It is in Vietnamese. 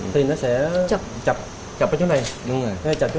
thì nó sẽ chập chập ở chỗ này chập ở chỗ này thì nó